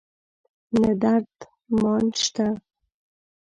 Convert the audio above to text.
نه درد مان شته